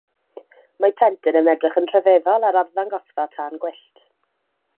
Mae plentyn yn edrych yn rhyfeddol ar arddangosfa tân gwyllt.